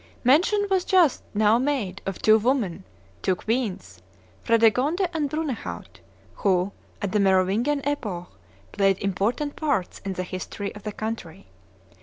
Mention was but just now made of two women two queens Fredegonde and Brunehaut, who, at the Merovingian epoch, played important parts in the history of the country.